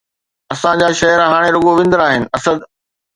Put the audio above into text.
اسان جا شعر هاڻي رڳو وندر آهن، اسد!